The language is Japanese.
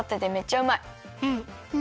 うん。